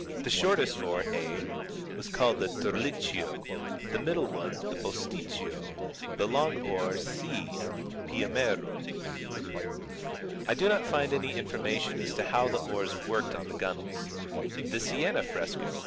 The shortest oar a was called Terlicchio, the middle one b Posticcio, the long oar c Piamero.^ I do not find any information as to how the oars worked on the gunnels. The Siena fresco (see p.